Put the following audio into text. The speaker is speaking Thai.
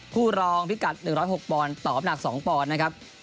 ผู้รองพิกัด๑๐๖ปอนต่ออัพหนัก๒ปอนนะครับ